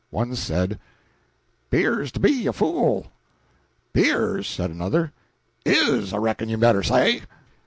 One said: "'Pears to be a fool." "'Pears?" said another. "Is, I reckon you better say."